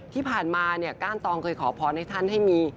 ที่ผ่านมาเนี่ยก้านตองเคยขอพรให้ท่านให้มี